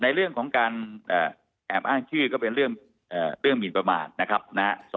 ในเรื่องของแอบอ้างชื่อก็เป็นเรื่องหมีนประมาณ